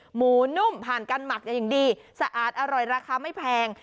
หมูนุ่มผ่านการหมักอย่างดีสะอาดอร่อยราคาไม่แพง